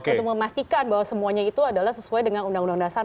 untuk memastikan bahwa semuanya itu adalah sesuai dengan undang undang dasar